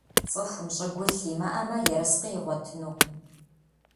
ЦӀыхум щӀыгулъ имыӀэмэ, ерыскъы игъуэтынукъым.